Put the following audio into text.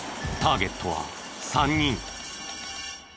ターゲットは３人。